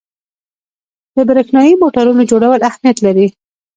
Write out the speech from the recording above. د برېښنايي موټورونو جوړول اهمیت لري.